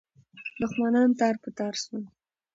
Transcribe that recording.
دښمنان تار په تار سول.